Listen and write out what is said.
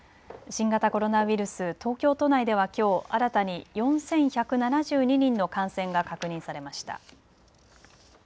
新型コロナウイルス、東京都内ではきょう新たに４１７２人の感染が確認されました。